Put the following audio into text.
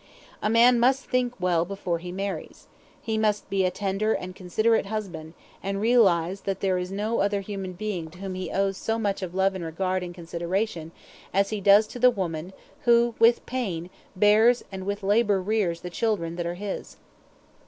A man must think well before he marries. He must be a tender and considerate husband and realize that there is no other human being to whom he owes so much of love and regard and consideration as he does to the woman who with pain bears and with labor rears the children that are his.